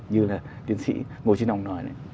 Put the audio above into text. như là tiến sĩ ngô chi nông nói